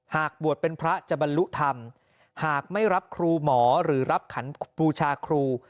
หากบวชเป็นพระจะบรรลุธรรมหากไม่รับครูหมอหรือรับขันบูชาครู